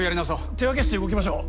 ・手分けして動きましょう。